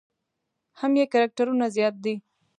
هم یې کرکټرونه زیات دي.